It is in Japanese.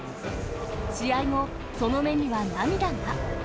試合後、その目には涙が。